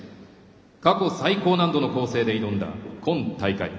過去最高難度の構成で挑んだ今大会。